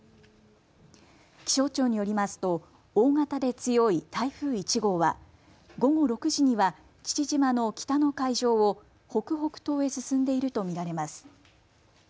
気象庁によりますと大型で強い台風１号は午後６時には父島の北の海上を北北東へ進んでいると見られます。